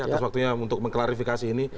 atas waktunya untuk mengklarifikasi ini